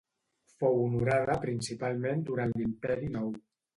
Fou honorada principalment durant l'imperi nou.